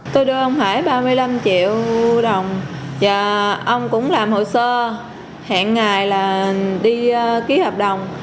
tôi đơn ông phải ba mươi năm triệu đồng và ông cũng làm hồ sơ hẹn ngày là đi ký hợp đồng